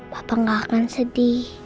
papa gak akan sedih